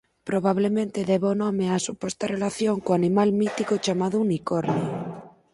Probablemente deba o nome á suposta relación co animal mítico chamado unicornio.